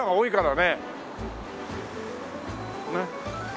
ねっ。